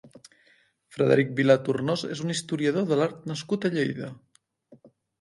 Frederic Vilà Tornos és un historiador de l'art nascut a Lleida.